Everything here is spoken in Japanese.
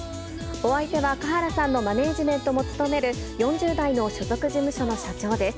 お相手は華原さんのマネージメントも務める４０代の所属事務所の社長です。